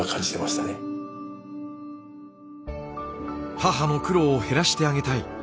母の苦労を減らしてあげたい。